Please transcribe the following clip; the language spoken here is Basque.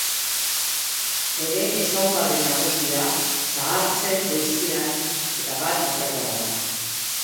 Bere ezaugarri nagusia zahartze goiztiar eta bat-batekoa da.